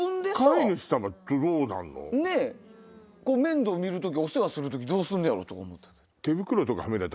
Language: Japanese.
面倒見る時お世話する時どうすんねやろ？と思ったけど。